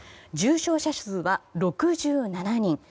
重症者数は６７人。